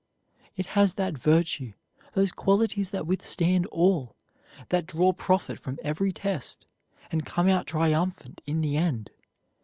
It has that virtue, those qualities that withstand all; that draw profit from every test, and come out triumphant in the end.